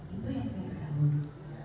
itu yang saya ketahui